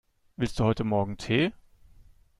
Willst du heute Morgen Tee?